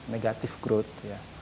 negatif growth ya